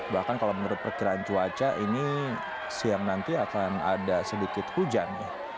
bahkan kalau menurut perkiraan cuaca ini siang nanti akan ada sedikit hujan